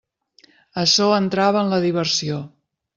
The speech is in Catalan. Açò entrava en la diversió.